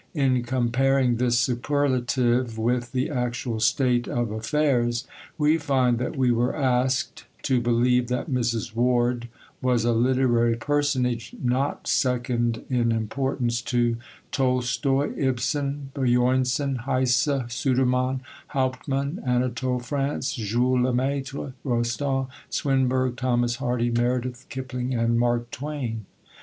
In comparing this superlative with the actual state of affairs, we find that we were asked to believe that Mrs. Ward was a literary personage not second in importance to Tolstoi, Ibsen, Björnson, Heyse, Sudermann, Hauptmann, Anatole France, Jules Lemaître, Rostand, Swinburne, Thomas Hardy, Meredith, Kipling, and Mark Twain.